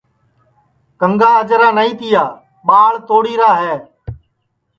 کنٚگا اجرا نائی تیا ٻاݪ توڑی را ہے